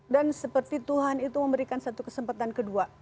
dan seperti tuhan itu memberikan satu kesempatan kedua